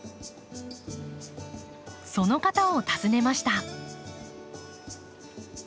その方を訪ねました。